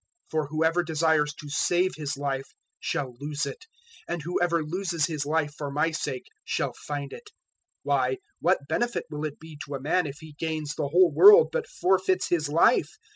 016:025 For whoever desires to save his life shall lose it, and whoever loses his life for my sake shall find it. 016:026 Why, what benefit will it be to a man if he gains the whole world but forfeits his life?